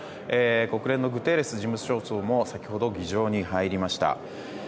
国連のグテーレス事務総長も先ほど、議場に入りました。